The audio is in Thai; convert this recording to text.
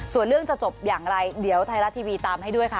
ส่วนเรื่องจะจบอย่างไรเดี๋ยวไทยรัฐทีวีตามให้ด้วยค่ะ